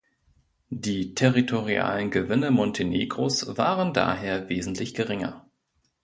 Die territorialen Gewinne Montenegros waren daher wesentlich geringer.